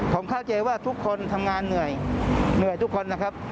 ผมเข้าใจว่าทุกคนทำงานเหนื่อยเหนื่อยทุกคนนะครับ